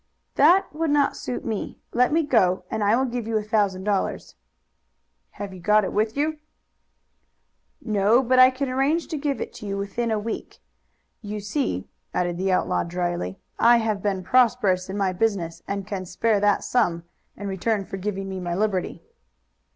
"That would not suit me. Let me go and I will give you a thousand dollars." "Have you got it with you?" "No, but I can arrange to give it to you within a week. You see," added the outlaw dryly, "I have been prosperous in my business and can spare that sum in return for giving me my liberty."